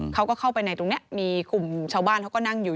เขาก็เข้าไปในตรงนี้มีกลุ่มชาวบ้านเขาก็นั่งอยู่